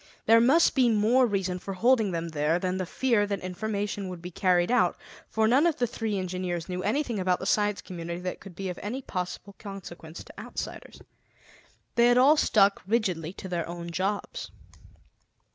There must be more reason for holding them there than the fear that information would be carried out, for none of the three engineers knew anything about the Science Community that could be of any possible consequence to outsiders. They had all stuck rigidly to their own jobs.